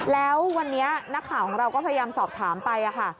แล้ววันนี้นักข่าวของเราก็พยายามสอบถามไปค่ะ